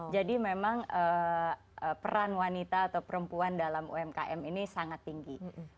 jadi memang peran wanita atau perempuan dalam umkm ini sangat tinggi